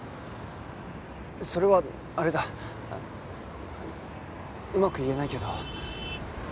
それはあれだうまく言えないけど。